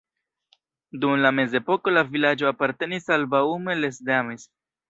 Dum la mezepoko la vilaĝo apartenis al Baume-les-Dames.